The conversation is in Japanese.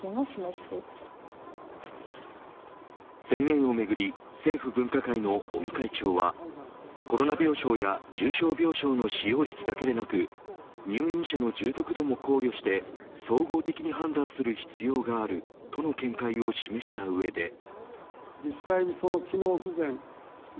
宣言をめぐり政府分科会の尾身会長はコロナ病床や重症病床の使用率だけでなく入院者の重篤度も考慮して総合的に判断する必要があるとの見解を示した上で。